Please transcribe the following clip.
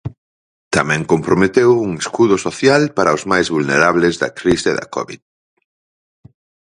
Tamén comprometeu un escudo social para os máis vulnerables da crise da Covid.